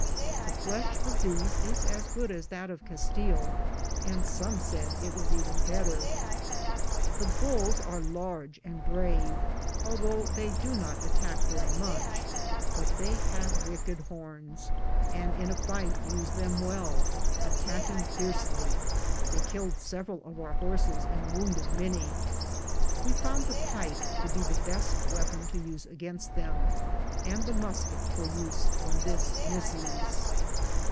The flesh of these is as good as that of Castile, and some said it was even better. The bulls are large and brave, although they do not attack very much; but they have wicked horns, and in a fight use them well, attacking fiercely ; they killed several of our horses and wounded many. We found the pike to be the best weapon to use against them, and the musket for use when this misses.